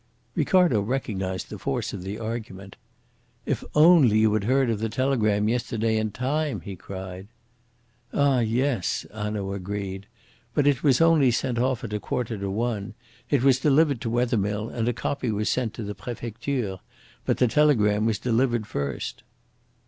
Ricardo recognised the force of the argument. "If only you had heard of the telegram yesterday in time!" he cried. "Ah, yes!" Hanaud agreed. "But it was only sent off at a quarter to one. It was delivered to Wethermill and a copy was sent to the Prefecture, but the telegram was delivered first."